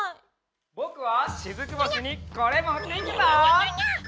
ぼくはしずく星にこれもっていくぞ。